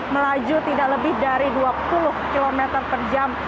melaju tidak lebih dari dua puluh km per jam